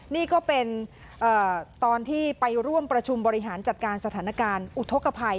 นี่ก็เป็นตอนที่ไปร่วมประชุมบริหารจัดการสถานการณ์อุทธกภัย